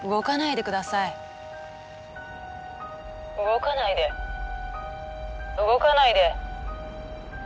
「動かないで動かないで。